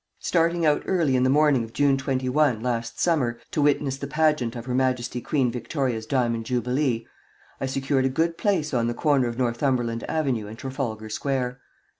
Starting out early in the morning of June 21, last summer, to witness the pageant of her Majesty Queen Victoria's Diamond Jubilee, I secured a good place on the corner of Northumberland Avenue and Trafalgar Square.